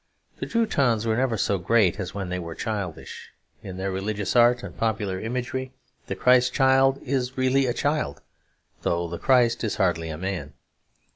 The Teutons were never so great as when they were childish; in their religious art and popular imagery the Christ Child is really a child, though the Christ is hardly a man.